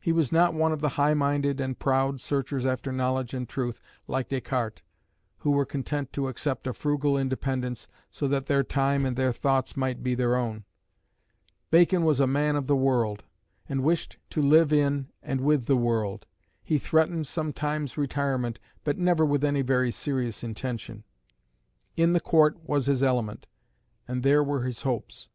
He was not one of the high minded and proud searchers after knowledge and truth, like Descartes, who were content to accept a frugal independence so that their time and their thoughts might be their own. Bacon was a man of the world, and wished to live in and with the world. He threatened sometimes retirement, but never with any very serious intention. In the Court was his element, and there were his hopes.